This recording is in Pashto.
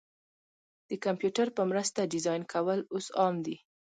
د کمپیوټر په مرسته ډیزاین کول اوس عام دي.